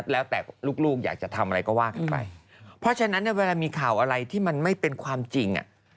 แล้วแต่ลูกอยากจะทำอะไรก็ว่ากันไปเพราะฉะนั้นเนี่ยเวลามีข่าวอะไรที่มันไม่เป็นความจริง